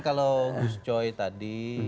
kalau gus coy tadi